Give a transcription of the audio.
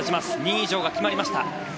２位以上が決まりました。